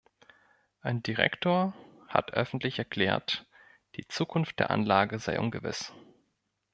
Ein Direktor hat öffentlich erklärt, die Zukunft der Anlage sei ungewiss.